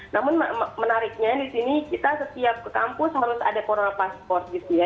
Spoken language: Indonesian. namun menariknya di sini kita setiap kampus harus ada corona pasport gitu ya